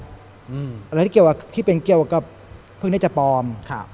อะไรที่เป็นเกี่ยวกับพวกนี้จะปลอม